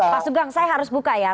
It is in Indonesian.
pak sugeng saya harus buka ya